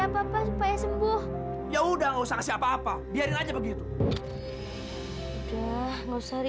apa apa supaya sembuh ya udah nggak usah kasih apa apa biarin aja begitu udah nggak usah